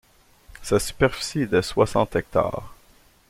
Sa superficie est de soixante hectares.